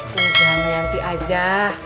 tuh jangan yanti aja